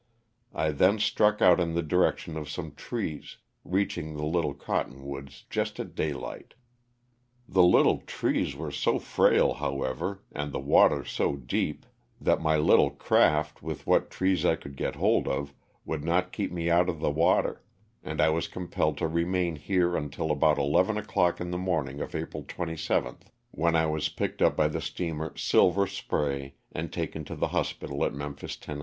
I then struck out in the direction of some trees, reaching the little cottonwoods just at daylight. The little trees were so frail, however, and the water so deep, that my 348 LOSS OF THE SULTANA. little craft with what trees I could get hold of would not keep me out of the water, and I Jwas compelled to remain here until about eleven o'clock in the morn ing of April 27th, when I was picked up by the steamer '^Silver Spray" and taken to the hospital at Memphis, Tenn.